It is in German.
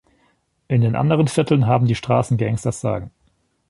In den anderen Vierteln haben die Straßengangs das Sagen.